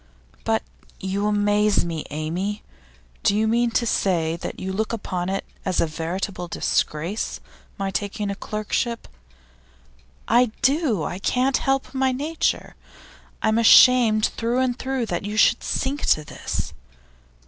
'But you amaze me, Amy. Do you mean to say that you look upon it as a veritable disgrace, my taking this clerkship?' 'I do. I can't help my nature. I am ashamed through and through that you should sink to this.